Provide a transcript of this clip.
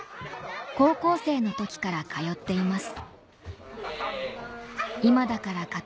高校生の時から通っています